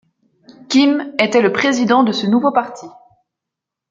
Kim était le président de ce nouveau parti.